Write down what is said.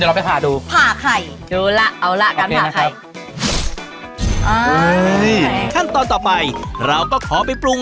ครับใช่ครับเดี๋ยวเราไปผ่าดู